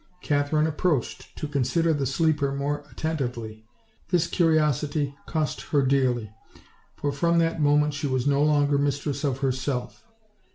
Katherine approached to consider the sleeper more at tentively. This curiosity cost her dearly, for from that moment she was no longer mistress of herself.